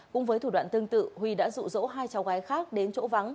cũng với thủ đoạn tương tự huy đã rụ rỗ hai cháu gái khác đến chỗ vắng